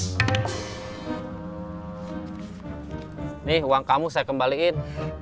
ini uang kamu saya kembaliin